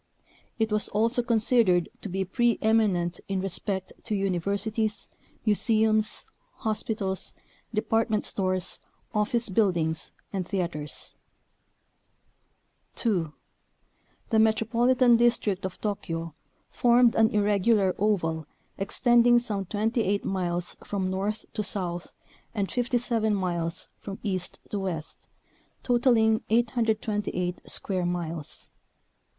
It was also considered to be pre eminent in respect to universities, museums, hospitals, department stores, office buildings, and theaters. 2. The Metropolitan District of Tokyo formed an irregular oval extending some 28 miles from north to south and 57 miles from east to west, totaling 828 square miles.